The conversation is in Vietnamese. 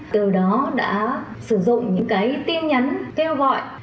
từ đó đã sử dụng những cái tin nhắn kêu gọi